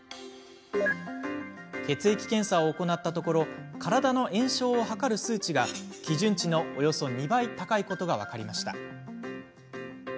血液検査を行ったところ体の炎症を測る数値が基準値のおよそ２倍高いことが分かりました。